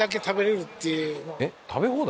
えっ食べ放題？